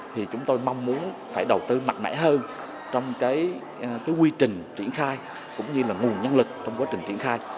thì chúng tôi mong muốn phải đầu tư mạnh mẽ hơn trong cái quy trình triển khai cũng như là nguồn nhân lực trong quá trình triển khai